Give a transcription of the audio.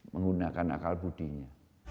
menggunakan akal budinya